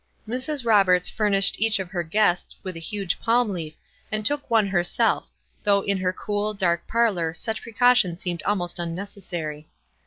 Mrs. Roberts furnished each of her guests with a huge palm leaf, and took one herself, though in her cool, dark parlor such precaution seemed almost unnecessary.